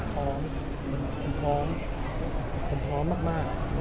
แต่ถ้าเกิดมีปัญหาจริงแล้วก็พร้อมปกป้องและก็สู้